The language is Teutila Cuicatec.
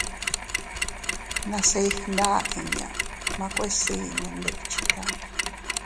Nase iygnda inña, makue sii nee ndikchita.